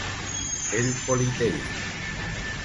El politeísmo.